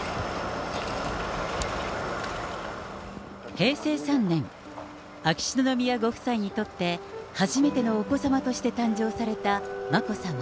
平成３年、秋篠宮ご夫妻にとって、初めてのお子様として誕生された眞子さま。